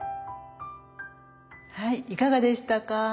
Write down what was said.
はいいかがでしたか？